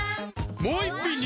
もう１品に！